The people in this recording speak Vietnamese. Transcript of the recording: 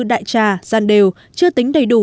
đại trà gian đều chưa tính đầy đủ